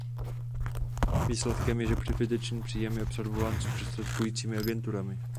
Výsledkem je, že přebytečný příjem je absorbován zprostředkujícími agenturami.